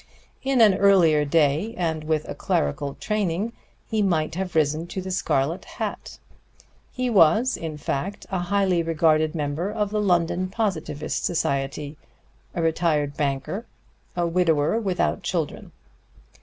In an earlier day and with a clerical training he might have risen to the scarlet hat. He was, in fact, a highly regarded member of the London Positivist Society, a retired banker, a widower without children.